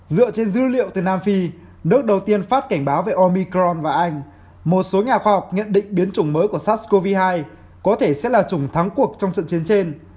dựa trên dữ liệu từ nam phi nước đầu tiên phát cảnh báo về omicron và anh một số nhà khoa học nhận định biến chủng mới của sars cov hai có thể sẽ là chủng thắng cuộc trong trận chiến trên